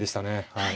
はい。